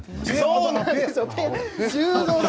そうなんですよ！